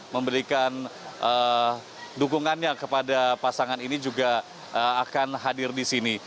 memberikan dukungannya kepada pasangan ini juga akan hadir di sini